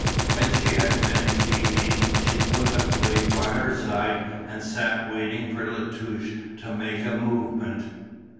When she had finished eating she put the plate by her side and sat waiting for La Touche to make a movement.